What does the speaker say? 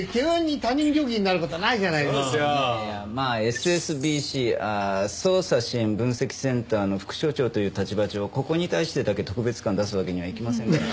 ＳＳＢＣ捜査支援分析センターの副所長という立場上ここに対してだけ特別感を出すわけにはいきませんから。